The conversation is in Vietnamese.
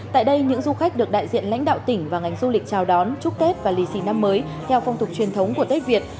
tại đây những du khách được đại diện lãnh đạo tỉnh và ngành du lịch chào đón chúc tết và lì xì năm mới theo phong tục truyền thống của tết việt